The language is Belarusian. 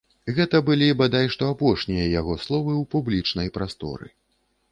Гэта былі, бадай што, апошнія яго словы ў публічнай прасторы.